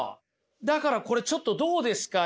だからこれちょっとどうですか？